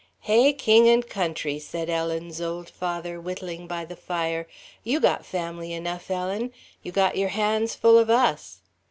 "Hey, king and country," said Ellen's old father, whittling by the fire, "you got family enough, Ellen. You got your hands full of us."